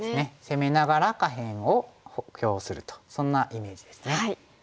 攻めながら下辺を補強するとそんなイメージですね。